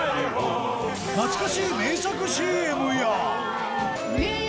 懐かしい名作 ＣＭ や